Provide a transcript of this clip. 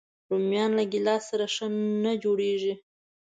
رومیان له ګیلاس سره ښه نه جوړيږي